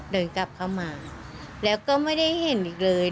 เดินกลับเข้ามาแล้วก็ไม่ได้เห็นอีกเลย